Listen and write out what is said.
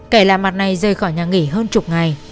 kẻ lạ mặt này rời khỏi nhà nghỉ hơn chục ngày